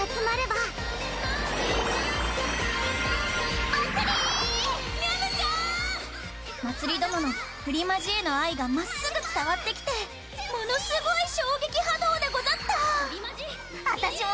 まつり殿のプリマジへの愛がまっすぐ伝わってきてものすごい衝撃波動でござった！